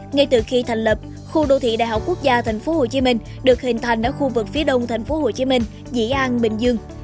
ngay từ khi thành lập khu đô thị đại học quốc gia tp hcm được hình thành ở khu vực phía đông tp hcm dĩ an bình dương